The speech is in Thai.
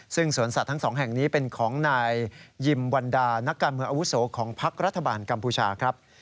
ซึ่งสวนสัตว์ทั้งสองแห่งนี้เป็นของนายยิมวันดานักการเมืองอาวุโสของพักรัฐบาลกัมพูชาครับ